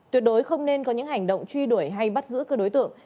tuyệt đối không nên có những hành động truy đuổi hay bắt giữ cơ đối tượng